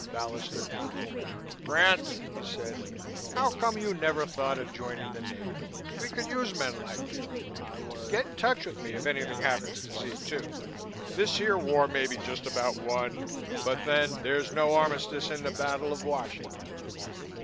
Ballister grinned. "Grant," he said. "How come you never thought of joining the Navy. We could use men like you. Get in touch with me if anything happens to Z 2. This here war may be just about won but then there's no armistice in the battle of Washington."